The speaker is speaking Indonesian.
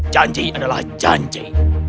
janji adalah janji